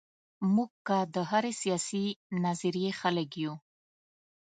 موږ که د هرې سیاسي نظریې خلک یو.